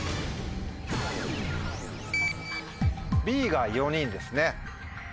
Ｂが４人ですね。